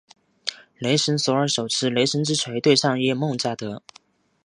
雷神索尔手持雷神之锤对上耶梦加得。